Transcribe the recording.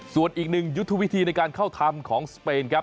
ส่วนอีกหนึ่งยุทธวิธีในการเข้าทำของสเปนครับ